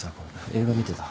映画見てた。